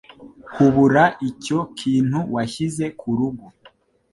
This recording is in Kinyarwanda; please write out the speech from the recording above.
Hubura icyo kintu washyize kurugo